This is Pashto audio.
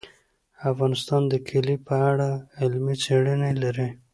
افغانستان د کلي په اړه علمي څېړنې لري.